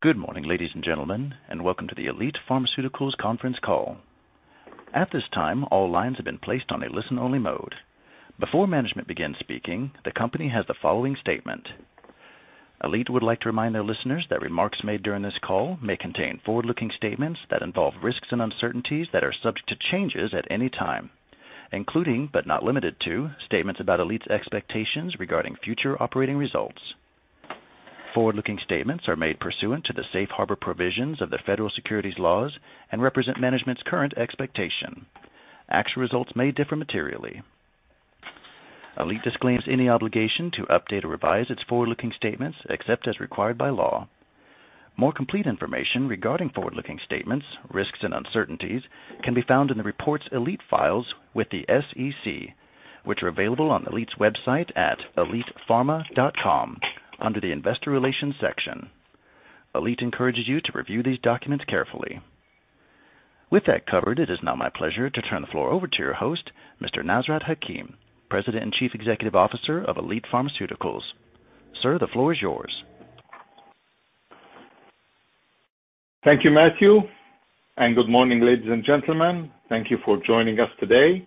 Good morning, ladies and gentlemen, and welcome to the Elite Pharmaceuticals conference call. At this time, all lines have been placed on a listen-only mode. Before management begins speaking, the company has the following statement. Elite would like to remind their listeners that remarks made during this call may contain forward-looking statements that involve risks and uncertainties that are subject to changes at any time, including but not limited to, statements about Elite's expectations regarding future operating results. Forward-looking statements are made pursuant to the safe harbor provisions of the federal securities laws and represent management's current expectation. Actual results may differ materially. Elite disclaims any obligation to update or revise its forward-looking statements except as required by law. More complete information regarding forward-looking statements, risks and uncertainties, can be found in the reports Elite files with the SEC, which are available on Elite's website at elitepharma.com under the Investor Relations section. Elite encourages you to review these documents carefully. With that covered, it is now my pleasure to turn the floor over to your host, Mr. Nasrat Hakim, President and Chief Executive Officer of Elite Pharmaceuticals. Sir, the floor is yours. Thank you, Matthew. Good morning, ladies and gentlemen. Thank you for joining us today.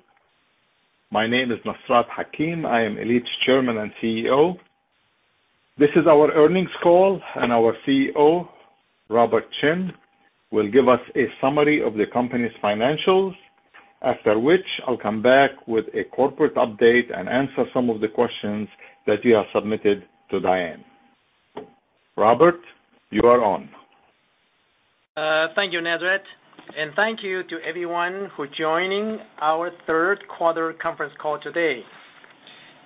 My name is Nasrat Hakim. I am Elite's Chairman and CEO. This is our earnings call. Our CFO, Robert Chen, will give us a summary of the company's financials. After which, I'll come back with a corporate update and answer some of the questions that you have submitted to Diane. Robert, you are on. Thank you, Nasrat. Thank you to everyone who joining our third quarter conference call today.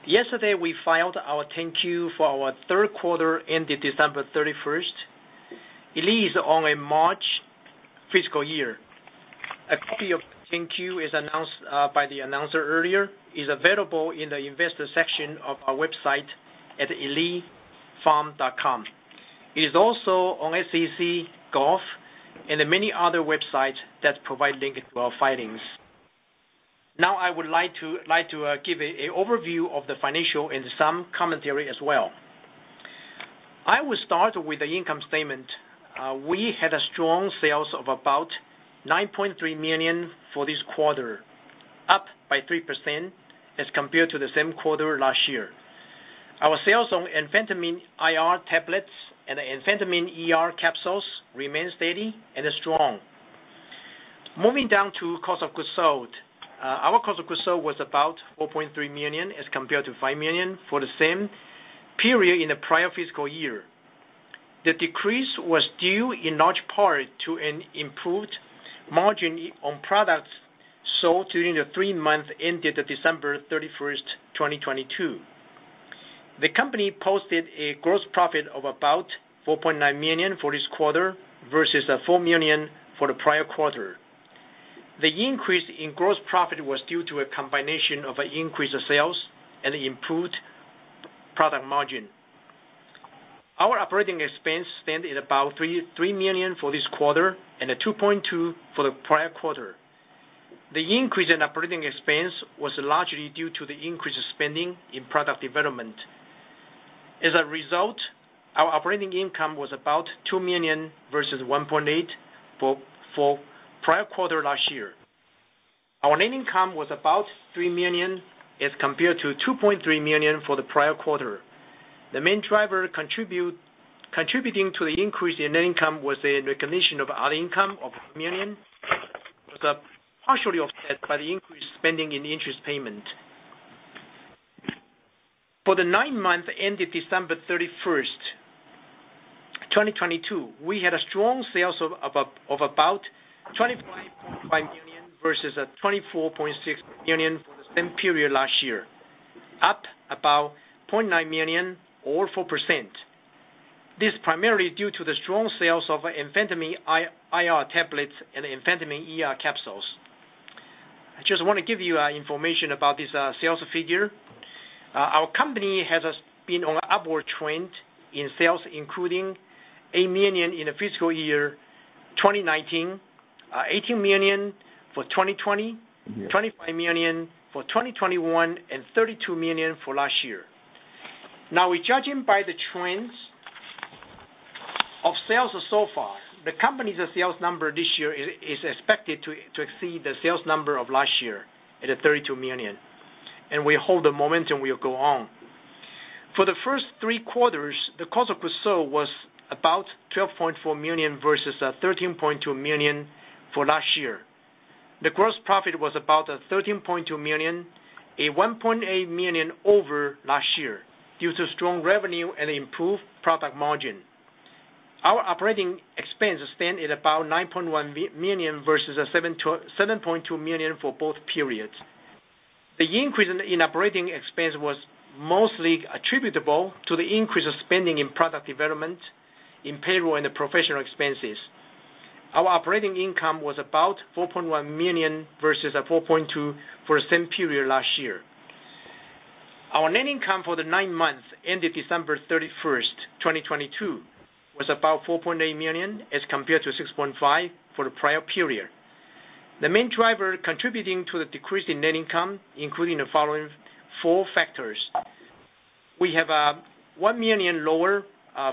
Yesterday, we filed our 10-Q for our third quarter ended December 31st. Elite is on a March fiscal year. A copy of 10-Q, as announced by the announcer earlier, is available in the Investor section of our website at elitepharma.com. It is also on SEC.gov and in many other websites that provide link to our filings. Now I would like to give a overview of the financial and some commentary as well. I will start with the income statement. We had a strong sales of about $9.3 million for this quarter, up by 3% as compared to the same quarter last year. Our sales on Amphetamine IR tablets and Amphetamine ER capsules remain steady and strong. Moving down to cost of goods sold. Our cost of goods sold was about $4.3 million as compared to $5 million for the same period in the prior fiscal year. The decrease was due in large part to an improved margin on products sold during the three months ended December 31st, 2022. The company posted a gross profit of about $4.9 million for this quarter versus a $4 million for the prior quarter. The increase in gross profit was due to a combination of an increase of sales and improved product margin. Our operating expense stand at about $3 million for this quarter and a $2.2 million for the prior quarter. The increase in operating expense was largely due to the increased spending in product development. As a result, our operating income was about $2 million versus $1.8 million for prior quarter last year. Our net income was about $3 million as compared to $2.3 million for the prior quarter. The main driver contributing to the increase in net income was a recognition of other income of $1 million. It was partially offset by the increased spending in interest payment. For the nine months ended December 31, 2022, we had strong sales of about $25.5 million versus $24.6 million for the same period last year, up about $0.9 million or 4%. This primarily due to the strong sales of Amphetamine IR tablets and Amphetamine ER capsules. I just wanna give you information about this sales figure. Our company has been on upward trend in sales, including $8 million in the fiscal year 2019, $18 million for 2020, $25 million for 2021, and $32 million for last year. We judging by the trends of sales so far, the company's sales number this year is expected to exceed the sales number of last year at a $32 million, we hold the momentum will go on. For the first three quarters, the cost of goods sold was about $12.4 million versus $13.2 million for last year. The gross profit was about $13.2 million, a $1.8 million over last year due to strong revenue and improved product margin. Our operating expense stand at about $9.1 million versus a $7.2 million for both periods. The increase in operating expense was mostly attributable to the increase of spending in product development, in payroll, and the professional expenses. Our operating income was about $4.1 million versus a $4.2 million for the same period last year. Our net income for the nine months ended December 31, 2022, was about $4.8 million, as compared to $6.5 million for the prior period. The main driver contributing to the decrease in net income, including the following four factors. We have $1 million lower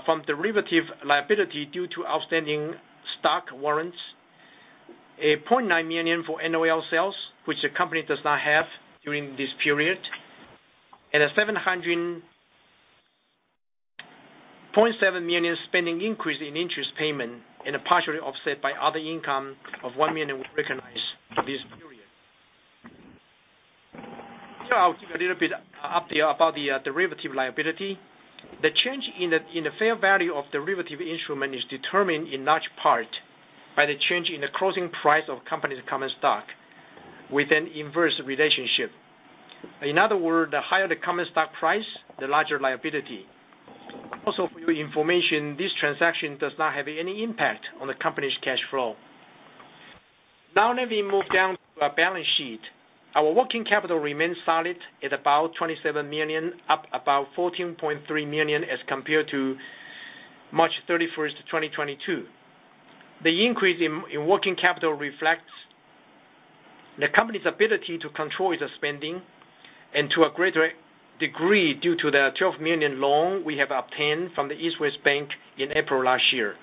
from derivative liability due to outstanding stock warrants. $0.9 million for NOL sales, which the company does not have during this period. A $700.7 million spending increase in interest payment and partially offset by other income of $1 million were recognized for this period. I'll give a little bit update about the derivative liability. The change in the fair value of derivative instrument is determined in large part by the change in the closing price of company's common stock with an inverse relationship. In other word, the higher the common stock price, the larger liability. For your information, this transaction does not have any impact on the company's cash flow. Let me move down to our balance sheet. Our working capital remains solid at about $27 million, up about $14.3 million as compared to March 31, 2022. The increase in working capital reflects the company's ability to control its spending, and to a greater degree, due to the $12 million loan we have obtained from the East West Bank in April last year.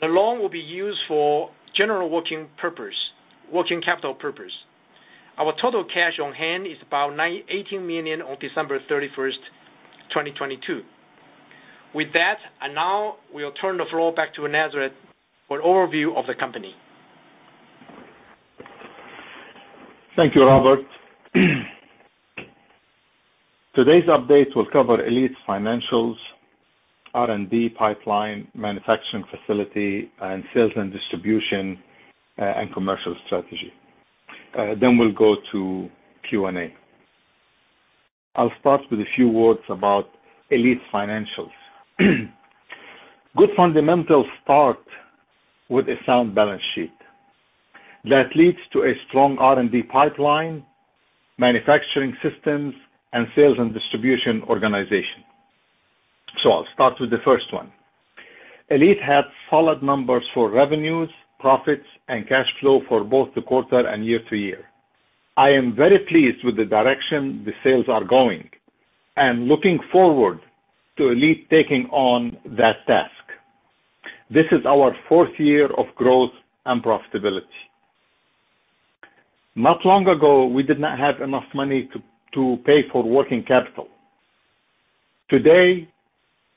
The loan will be used for general working purpose, working capital purpose. Our total cash on hand is about $18 million on December 31st, 2022. With that, now we'll turn the floor back to Nasrat for an overview of the company. Thank you, Robert. Today's update will cover Elite's financials, R&D pipeline, manufacturing facility, and sales and distribution and commercial strategy. We'll go to Q&A. I'll start with a few words about Elite's financials. Good fundamentals start with a sound balance sheet that leads to a strong R&D pipeline, manufacturing systems, and sales and distribution organization. I'll start with the first one. Elite had solid numbers for revenues, profits, and cash flow for both the quarter and year-to-year. I am very pleased with the direction the sales are going and looking forward to Elite taking on that task. This is our fourth year of growth and profitability. Not long ago, we did not have enough money to pay for working capital. Today,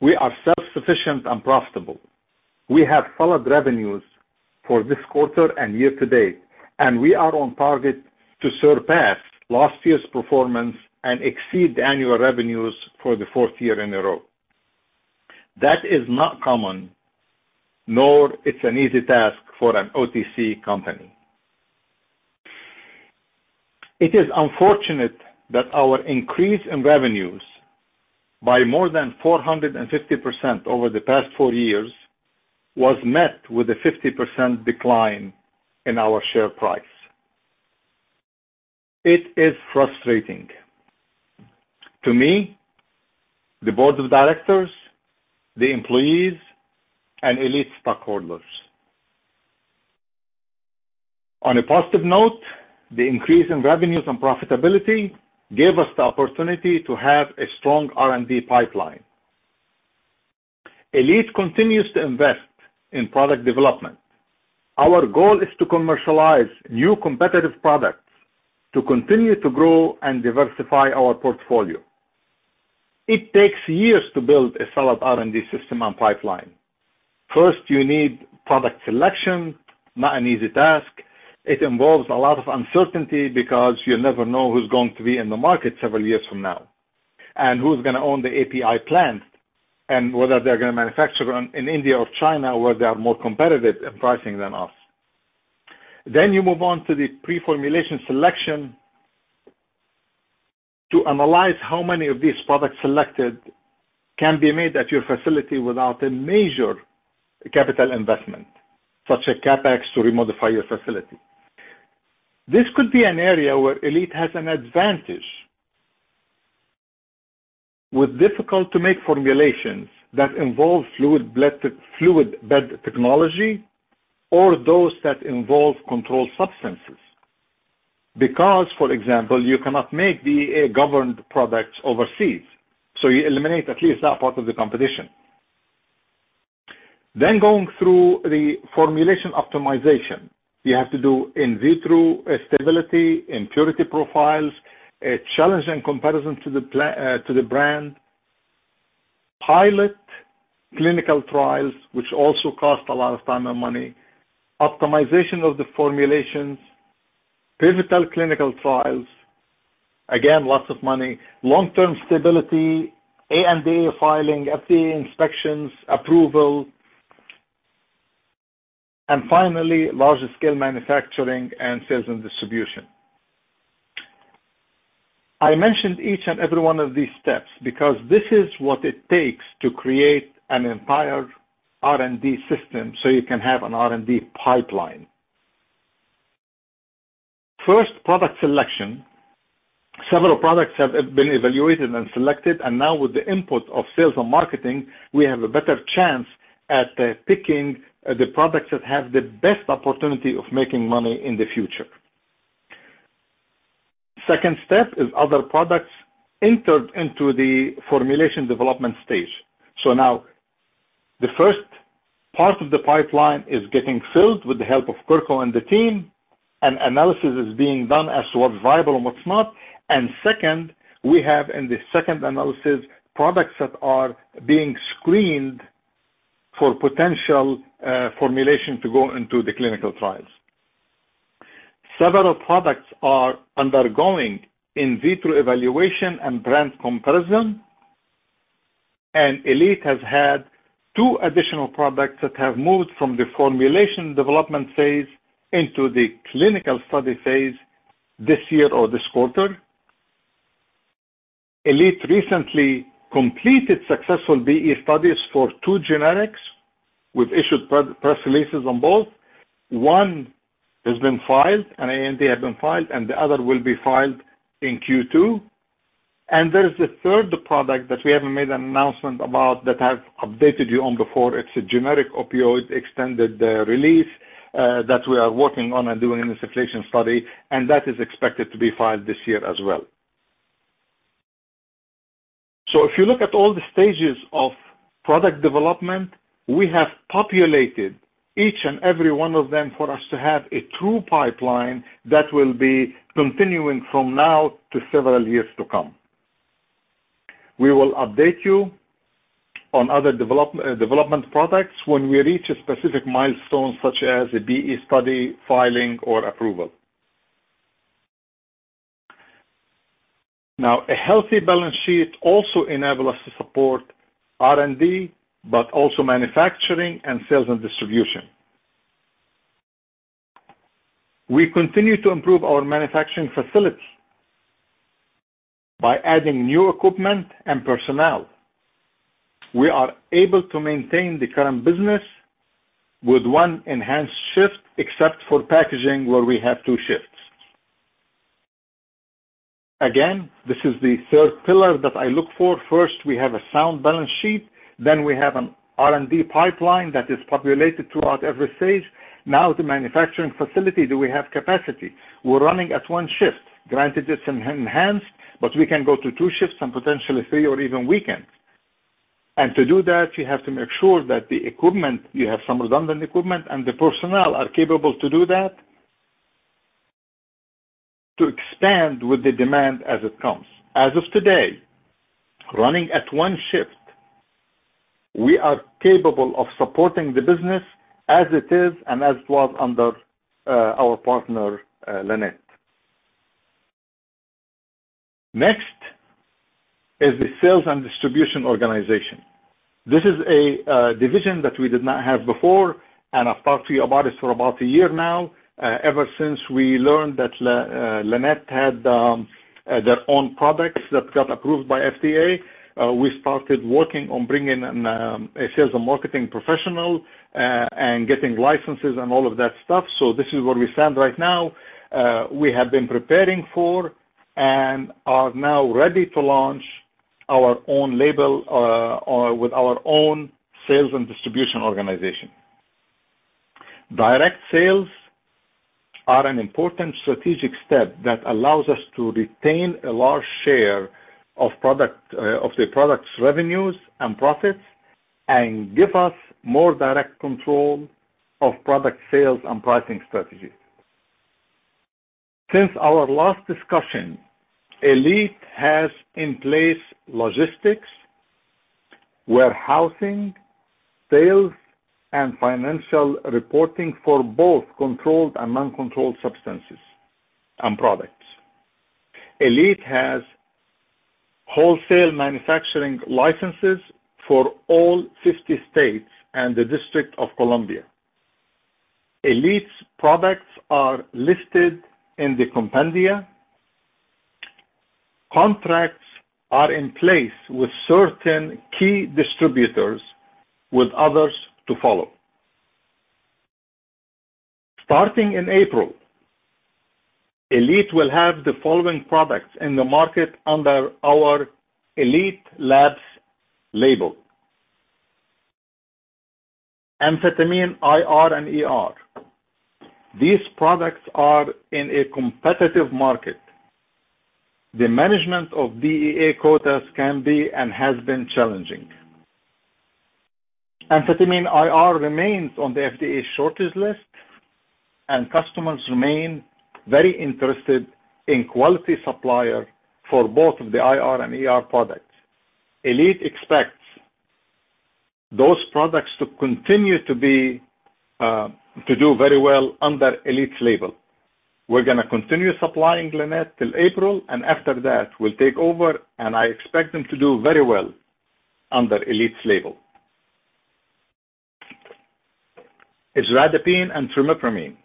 we are self-sufficient and profitable. We have solid revenues for this quarter and year-to-date, we are on target to surpass last year's performance and exceed annual revenues for the fourth year in a row. That is not common, nor it's an easy task for an OTC company. It is unfortunate that our increase in revenues by more than 450% over the past four years was met with a 50% decline in our share price. It is frustrating to me, the board of directors, the employees, and Elite stockholders. On a positive note, the increase in revenues and profitability gave us the opportunity to have a strong R&D pipeline. Elite continues to invest in product development. Our goal is to commercialize new competitive products to continue to grow and diversify our portfolio. It takes years to build a solid R&D system and pipeline. First, you need product selection. Not an easy task. It involves a lot of uncertainty because you never know who's going to be in the market several years from now, and who's gonna own the API plant, and whether they're gonna manufacture it run in India or China, where they are more competitive in pricing than us. You move on to the pre-formulation selection to analyze how many of these products selected can be made at your facility without a major capital investment, such as CapEx, to remodify your facility. This could be an area where Elite has an advantage. With difficult to make formulations that involve fluid bed technology or those that involve controlled substances. For example, you cannot make DEA-governed products overseas, so you eliminate at least that part of the competition. Going through the formulation optimization. You have to do in vitro stability, impurity profiles, a challenge and comparison to the brand, pilot clinical trials which also cost a lot of time and money, optimization of the formulations, pivotal clinical trials, again, lots of money, long-term stability, ANDA filing, FDA inspections, approval, and finally, larger scale manufacturing and sales and distribution. I mentioned each and every one of these steps because this is what it takes to create an entire R&D system so you can have an R&D pipeline. First, product selection. Several products have been evaluated and selected. Now with the input of sales and marketing, we have a better chance at picking the products that have the best opportunity of making money in the future. Second step is other products entered into the formulation development stage. Now the first part of the pipeline is getting filled with the help of Kirko and the team, and analysis is being done as to what's viable and what's not. Second, we have in the second analysis, products that are being screened for potential formulation to go into the clinical trials. Several products are undergoing in vitro evaluation and brand comparison. Elite has had two additional products that have moved from the formulation development phase into the clinical study phase this year or this quarter. Elite recently completed successful BE studies for two generics. We've issued press releases on both. One has been filed, an ANDA has been filed, and the other will be filed in Q2. There is a third product that we haven't made an announcement about that I've updated you on before. It's a generic opioid extended-release that we are working on and doing an insufflation study. That is expected to be filed this year as well. If you look at all the stages of product development, we have populated each and every one of them for us to have a true pipeline that will be continuing from now to several years to come. We will update you on other development products when we reach a specific milestone, such as a BE study, filing, or approval. A healthy balance sheet also enables us to support R&D, but also manufacturing and sales and distribution. We continue to improve our manufacturing facility. By adding new equipment and personnel, we are able to maintain the current business with one enhanced shift, except for packaging, where we have two shifts. This is the third pillar that I look for. We have a sound balance sheet, we have an R&D pipeline that is populated throughout every stage. The manufacturing facility, do we have capacity? We're running at one shift. Granted, it's enhanced, but we can go to two shifts and potentially three or even weekends. To do that, you have to make sure that the equipment, you have some redundant equipment and the personnel are capable to do that. To expand with the demand as it comes. As of today, running at one shift, we are capable of supporting the business as it is and as it was under our partner, Lannett. Next is the sales and distribution organization. This is a division that we did not have before, and I've talked to you about it for about a year now. Ever since we learned that Lannett had their own products that got approved by FDA, we started working on bringing on a sales and marketing professional and getting licenses and all of that stuff. This is where we stand right now. We have been preparing for and are now ready to launch our own label or with our own sales and distribution organization. Direct sales are an important strategic step that allows us to retain a large share of product of the product's revenues and profits and give us more direct control of product sales and pricing strategies. Since our last discussion, Elite has in place logistics, warehousing, sales and financial reporting for both controlled and uncontrolled substances and products. Elite has wholesale manufacturing licenses for all 50 states and the District of Columbia. Elite's products are listed in the compendia. Contracts are in place with certain key distributors, with others to follow. Starting in April, Elite will have the following products in the market under our Elite Labs label. Amphetamine IR and ER. These products are in a competitive market. The management of DEA quotas can be and has been challenging. Amphetamine IR remains on the FDA shortage list, customers remain very interested in quality supplier for both of the IR and ER products. Elite expects those products to continue to be to do very well under Elite's label. We're gonna continue supplying Lannett till April, after that, we'll take over, I expect them to do very well under Elite's label. Isradipine and trimipramine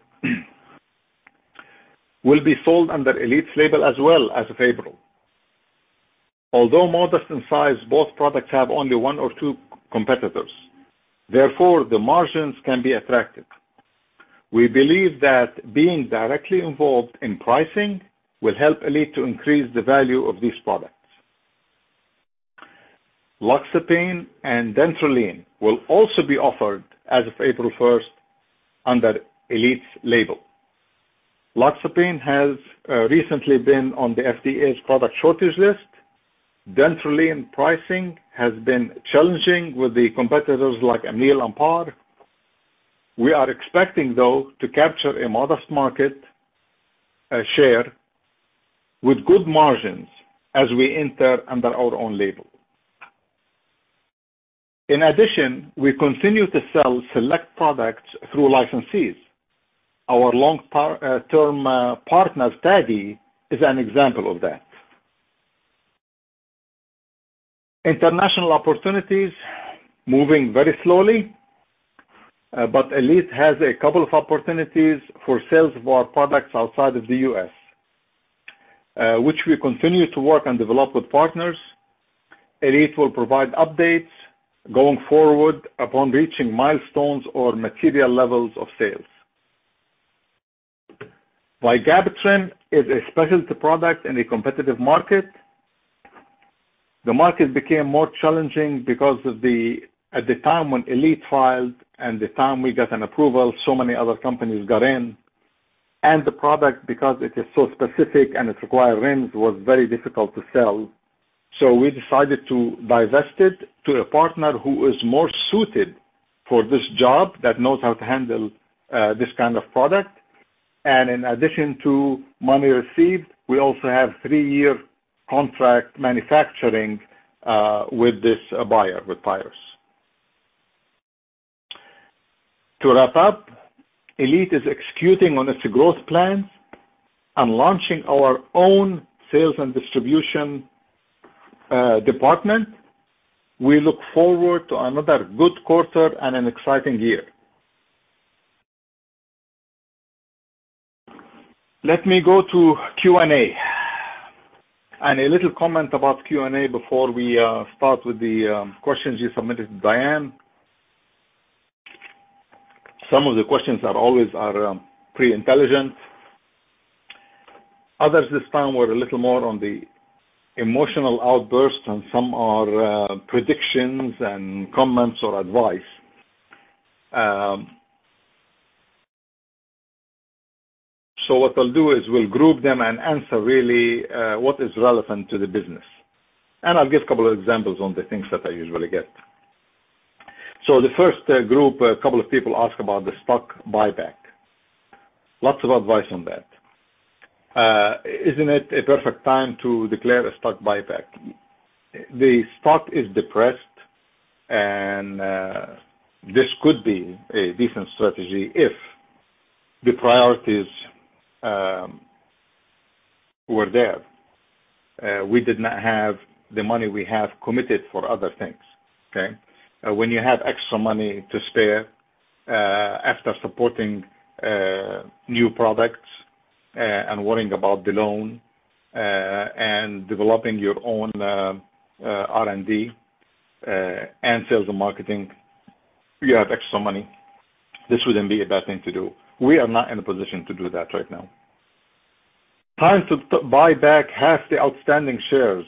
will be sold under Elite's label as well as of April. Although modest in size, both products have only one or two competitors. Therefore, the margins can be attractive. We believe that being directly involved in pricing will help Elite to increase the value of these products. Loxapine and Dantrolene will also be offered as of April first under Elite's label. Loxapine has recently been on the FDA's product shortage list. Dentrolene pricing has been challenging with the competitors like Amneal and Par. We are expecting, though, to capture a modest market share with good margins as we enter under our own label. In addition, we continue to sell select products through licensees. Our long power term partner, TAGI Pharma, is an example of that. International opportunities. Moving very slowly, Elite has a couple of opportunities for sales of our products outside of the U.S., which we continue to work and develop with partners. Elite will provide updates going forward upon reaching milestones or material levels of sales. While Gabitril is a specialty product in a competitive market, the market became more challenging at the time when Elite filed and the time we got an approval, so many other companies got in. The product, because it is so specific and its requirements, was very difficult to sell. We decided to divest it to a partner who is more suited for this job, that knows how to handle this kind of product. In addition to money received, we also have three-year contract manufacturing with this buyer, with [TAGI Pharma]. To wrap up, Elite is executing on its growth plans and launching our own sales and distribution department. We look forward to another good quarter and an exciting year. Let me go to Q&A. A little comment about Q&A before we start with the questions you submitted to Diane. Some of the questions are always pretty intelligent. Others this time were a little more on the emotional outburst, and some are predictions and comments or advice. What I'll do is we'll group them and answer really what is relevant to the business. I'll give a couple of examples on the things that I usually get. The first group, a couple of people ask about the stock buyback. Lots of advice on that. Isn't it a perfect time to declare a stock buyback? The stock is depressed and this could be a decent strategy if the priorities were there. We did not have the money we have committed for other things. Okay? When you have extra money to spare, after supporting new products, and worrying about the loan, and developing your own R&D, and sales and marketing, you have extra money. This wouldn't be a bad thing to do. We are not in a position to do that right now. Time to buy back half the outstanding shares.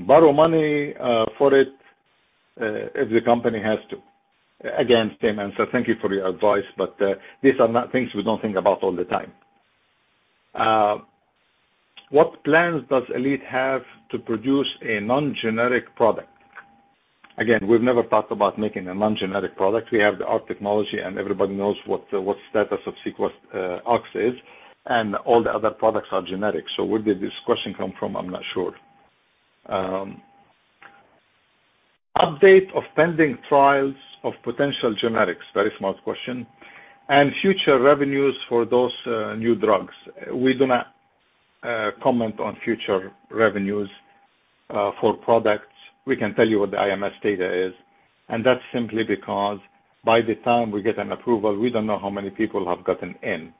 Borrow money for it, if the company has to. Again, statement. Thank you for your advice, but these are not things we don't think about all the time. What plans does Elite have to produce a non-generic product? Again, we've never talked about making a non-generic product. We have the ART technology and everybody knows what status of SequestOx is and all the other products are generic. Where did this question come from? I'm not sure. Update of pending trials of potential generics. Very smart question. Future revenues for those new drugs. We do not comment on future revenues for products. We can tell you what the IMS data is, and that's simply because by the time we get an approval, we don't know how many people have gotten in.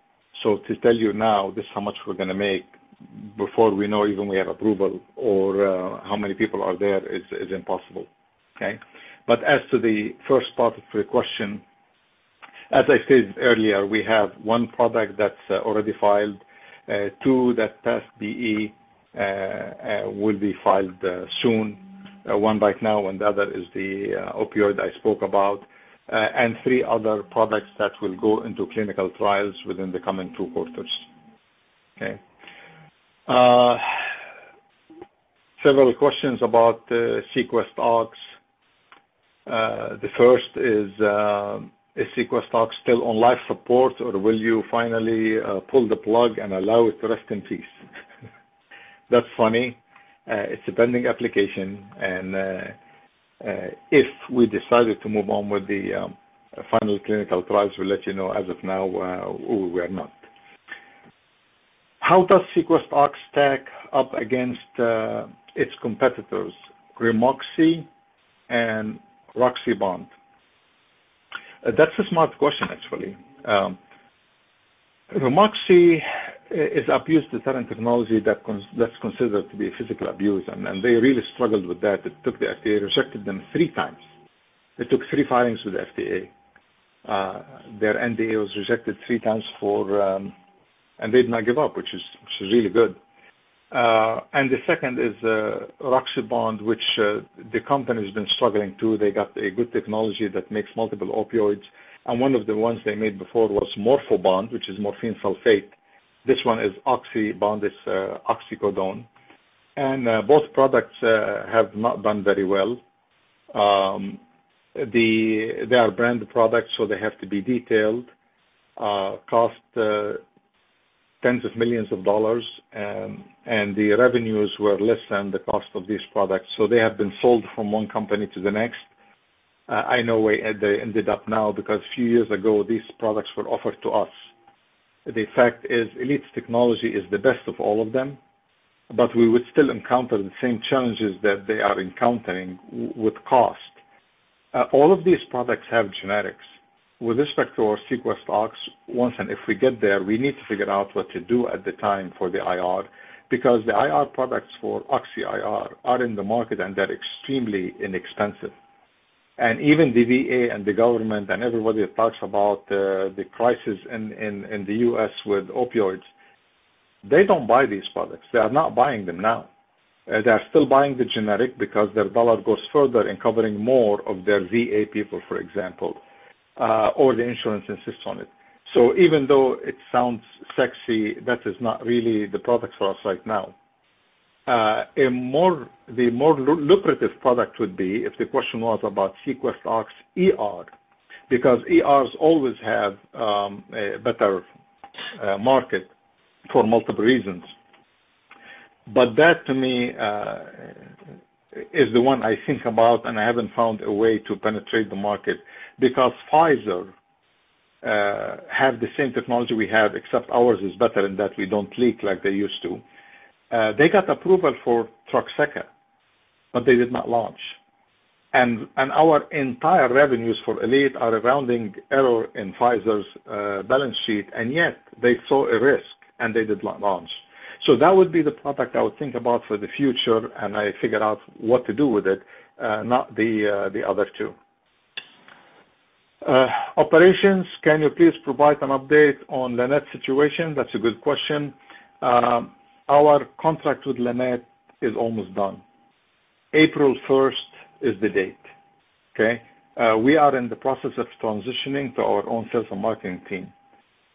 To tell you now, this is how much we're gonna make before we know even we have approval or how many people are there is impossible. Okay? As to the first part of your question, as I said earlier, we have one product that's already filed, two that passed DEA will be filed soon. One right now, and the other is the opioid I spoke about. Three other products that will go into clinical trials within the coming two quarters. Okay? Several questions about the SequestOx. The first is SequestOx still on life support or will you finally pull the plug and allow it to rest in peace? That's funny. It's a pending application. If we decided to move on with the final clinical trials, we'll let you know. As of now, we are not. How does SequestOx stack up against its competitors, Remoxy and RoxyBond? That's a smart question, actually. Remoxy is abuse-deterrent technology that's considered to be physical abuse, and they really struggled with that. Rejected them three times. It took three filings with the FDA. Their NDA was rejected three times for. They did not give up, which is really good. The second is RoxyBond, which the company's been struggling, too. They got a good technology that makes multiple opioids, and one of the ones they made before was MorphaBond, which is morphine sulfate. This one is Oxaydo, this oxycodone. Both products have not done very well. They are branded products, so they have to be detailed, cost tens of millions of dollars, and the revenues were less than the cost of these products, so they have been sold from one company to the next. I know where they ended up now because a few years ago, these products were offered to us. The fact is, Elite's technology is the best of all of them, but we would still encounter the same challenges that they are encountering with cost. All of these products have generics. With respect to our SequestOx, once and if we get there, we need to figure out what to do at the time for the IR, because the IR products for OxyIR are in the market, they're extremely inexpensive. Even the VA and the government and everybody that talks about the crisis in the U.S. with opioids, they don't buy these products. They are not buying them now. They are still buying the generic because their dollar goes further in covering more of their VA people, for example, or the insurance insists on it. Even though it sounds sexy, that is not really the product for us right now. The more lucrative product would be if the question was about SequestOX ER, because ERs always have a better market for multiple reasons. That to me is the one I think about, and I haven't found a way to penetrate the market because Pfizer have the same technology we have, except ours is better in that we don't leak like they used to. They got approval for Troxyca ER, they did not launch. Our entire revenues for Elite are a rounding error in Pfizer's balance sheet, and yet they saw a risk and they did not launch. That would be the product I would think about for the future, and I figure out what to do with it, not the other two. Operations. Can you please provide an update on Lannett situation? That's a good question. Our contract with Lannett is almost done. April first is the date. Okay? We are in the process of transitioning to our own sales and marketing team.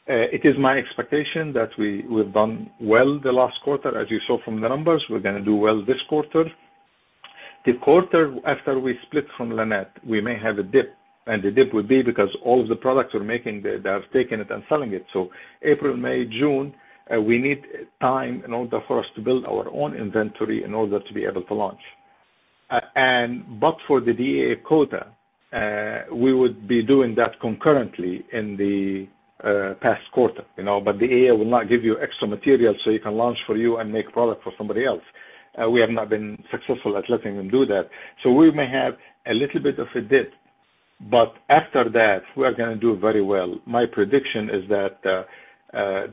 It is my expectation that we've done well the last quarter, as you saw from the numbers. We're gonna do well this quarter. The quarter after we split from Lannett, we may have a dip, and the dip would be because all of the products we're making, they have taken it and selling it. April, May, June, we need time in order for us to build our own inventory in order to be able to launch. But for the DEA quota, we would be doing that concurrently in the past quarter, you know. The DEA will not give you extra material so you can launch for you and make product for somebody else. We have not been successful at letting them do that. We may have a little bit of a dip, but after that we are gonna do very well. My prediction is that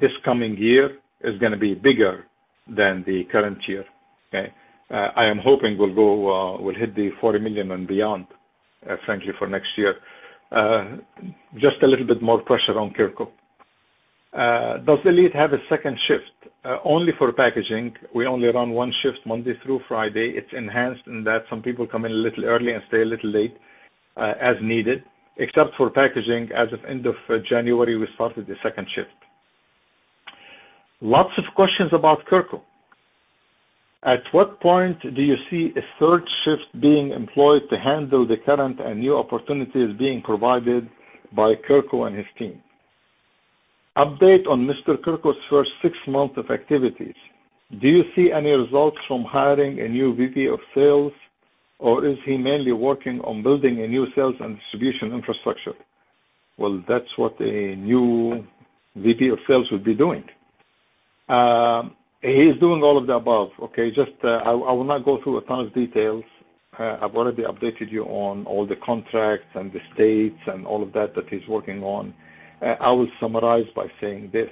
this coming year is gonna be bigger than the current year. Okay? I am hoping we'll go, we'll hit the $40 million and beyond, frankly, for next year. Just a little bit more pressure on Kirko. Does Elite have a second shift? Only for packaging. We only run one shift Monday through Friday. It's enhanced in that some people come in a little early and stay a little late, as needed. Except for packaging, as of end of January, we started a second shift. Lots of questions about Kirko. At what point do you see a third shift being employed to handle the current and new opportunities being provided by Kirko and his team? Update on Mr. Kirko's first six months of activities. Do you see any results from hiring a new VP of sales, or is he mainly working on building a new sales and distribution infrastructure? Well, that's what a new VP of sales would be doing. He's doing all of the above, okay? Just, I will not go through a ton of details. I've already updated you on all the contracts and the states and all of that he's working on. I will summarize by saying this,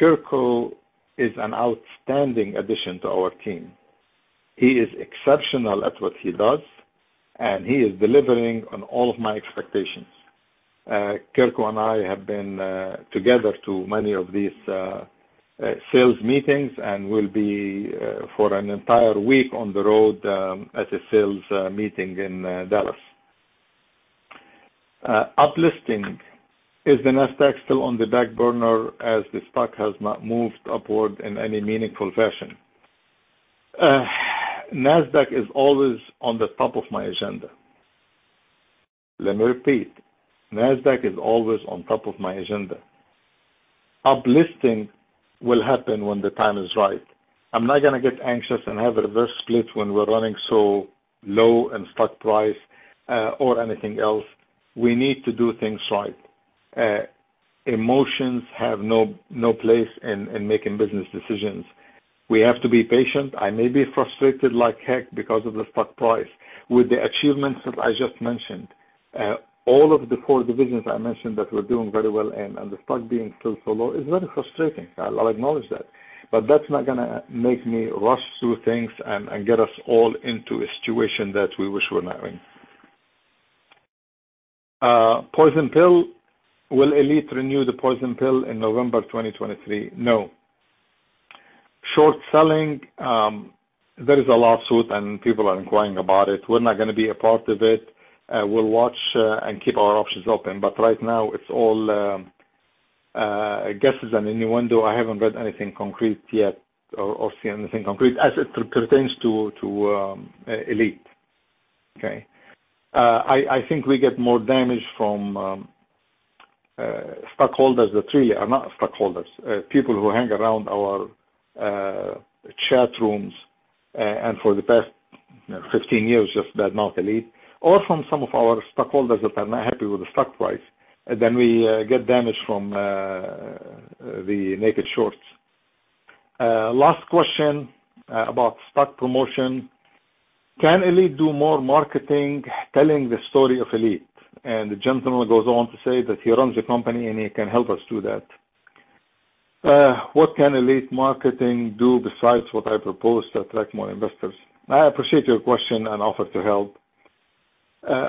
Kirko is an outstanding addition to our team. He is exceptional at what he does. He is delivering on all of my expectations. Kirko and I have been together to many of these sales meetings and will be for an entire week on the road at a sales meeting in Dallas. Uplisting. Is the Nasdaq still on the back burner as the stock has not moved upward in any meaningful fashion? Nasdaq is always on the top of my agenda. Let me repeat. Nasdaq is always on top of my agenda. Uplisting will happen when the time is right. I'm not gonna get anxious and have a reverse split when we're running so low in stock price, or anything else. We need to do things right. Emotions have no place in making business decisions. We have to be patient. I may be frustrated like heck because of the stock price. With the achievements that I just mentioned, all of the four divisions I mentioned that we're doing very well in and the stock being still so low is very frustrating. I'll acknowledge that. That's not gonna make me rush through things and get us all into a situation that we wish we were not in. Poison pill. Will Elite renew the poison pill in November 2023? No. Short selling, there is a lawsuit, and people are inquiring about it. We're not gonna be a part of it. We'll watch and keep our options open. Right now it's all guesses and innuendo. I haven't read anything concrete yet or seen anything concrete as it pertains to Elite. Okay. I think we get more damage from stockholders. The three are not stockholders. People who hang around our chat rooms, and for the past 15 years just badmouthed Elite or from some of our stockholders that are not happy with the stock price than we get damage from the naked shorts. Last question about stock promotion. Can Elite do more marketing telling the story of Elite? The gentleman goes on to say that he runs a company and he can help us do that. What can Elite marketing do besides what I propose to attract more investors? I appreciate your question and offer to help.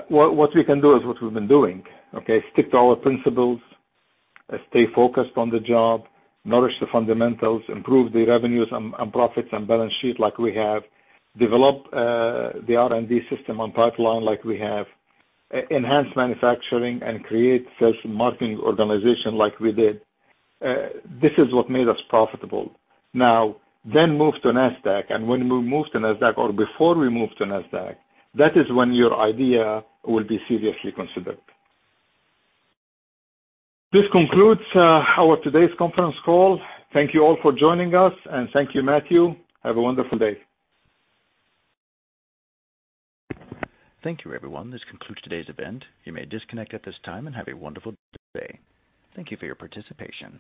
What we can do is what we've been doing, okay? Stick to our principles, stay focused on the job, nourish the fundamentals, improve the revenues and profits and balance sheet like we have, develop the R&D system and pipeline like we have, enhance manufacturing and create sales and marketing organization like we did. This is what made us profitable. Move to Nasdaq. When we move to Nasdaq or before we move to Nasdaq, that is when your idea will be seriously considered. This concludes our today's conference call. Thank you all for joining us, and thank you, Matthew. Have a wonderful day. Thank you, everyone. This concludes today's event. You may disconnect at this time and have a wonderful day. Thank you for your participation.